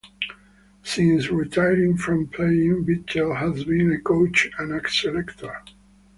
Since retiring from playing, Bichel has been a coach and a selector.